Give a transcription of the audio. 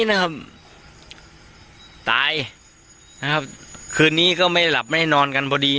นะครับตายนะครับคืนนี้ก็ไม่หลับไม่ให้นอนกันพอดี